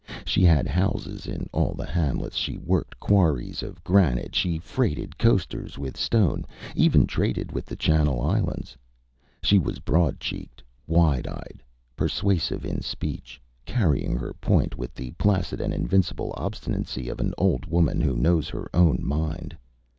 She had houses in all the hamlets, she worked quarries of granite, she freighted coasters with stone even traded with the Channel Islands. She was broad cheeked, wide eyed, persuasive in speech: carrying her point with the placid and invincible obstinacy of an old woman who knows her own mind.